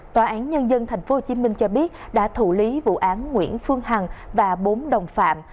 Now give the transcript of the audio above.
tòa án nhân dân tp hcm cho biết đã thủ lý vụ án nguyễn phương hằng và bốn đồng phạm